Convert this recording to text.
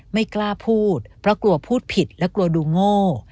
ไม่กล้าพูดเพราะกลัวพูดผิดและกลัวดูโง่